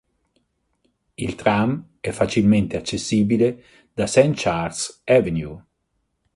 Il tram è facilmente accessibile da St. Charles Avenue.